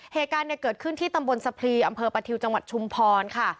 เหตุการณ์เกิดขึ้นที่ตำบลสะพรีอำเภอประทิวจังหวัดชุมพรค่ะ